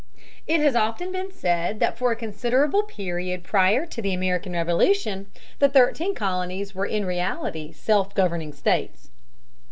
It has often been said that for a considerable period prior to the American Revolution, the thirteen colonies were in reality self governing states.